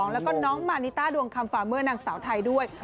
แล้วก็น้องมานิต้าดวงคำฟาเมอร์นางสาวไทยด้วย